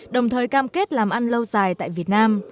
đồng thời cam kết làm ăn lâu dài tại việt nam